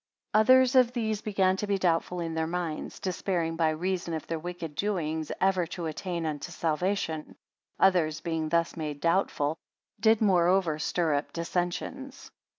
73 Others of these began to be doubtful in their minds; despairing by reason of their wicked doings ever to attain unto salvation Others being thus made doubtful, did moreover stir up dissensions.